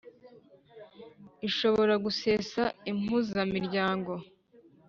ishobora gusesa Impuzamiryango